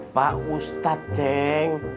pak ustadz ceng